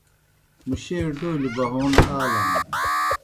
مُشے ڈولیْ بہون آلان۔